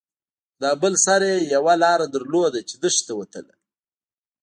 خو دا بل سر يې يوه لاره درلوده چې دښتې ته وتله.